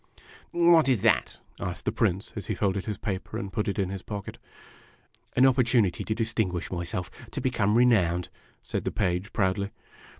" What is that? " asked the Prince, as he folded his paper and put it in his pocket. "An opportunity to distinguish myself to become renowned!' 1 said the Page, proudly.